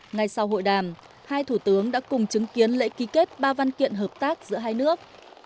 ngay sau hội đàm hai thủ tướng đã cùng chứng kiến lễ ký kết ba văn kiện hợp tác giữa hai nước